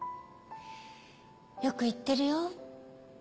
よく言ってるよ。